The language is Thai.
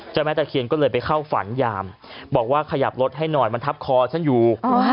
แม่ตะเคียนก็เลยไปเข้าฝันยามบอกว่าขยับรถให้หน่อยมันทับคอฉันอยู่